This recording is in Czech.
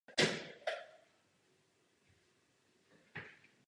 Orgán může i nemusí mít vlastní právní subjektivitu.